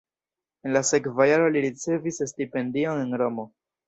En la sekva jaro li ricevis stipendion en Romo.